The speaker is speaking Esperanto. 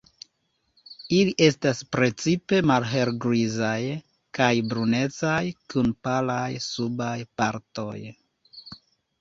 Ili estas precipe malhelgrizaj kaj brunecaj, kun palaj subaj partoj.